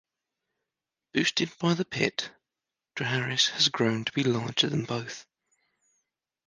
Boosted by the pit, Treharris has grown to be larger than both.